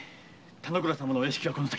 田之倉様のお屋敷はこの先。